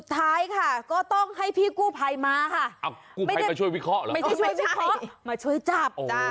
ไม่ใช่มาช่วยจับ